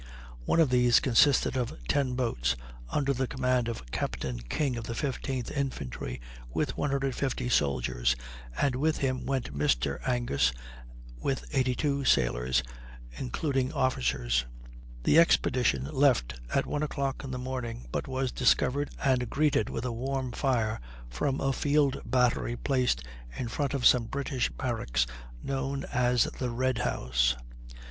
One of these consisted of 10 boats, under the command of Captain King of the 15th infantry, with 150 soldiers, and with him went Mr. Angus with 82 sailors, including officers. The expedition left at one o'clock in the morning, but was discovered and greeted with a warm fire from a field battery placed in front of some British barracks known as the Red House.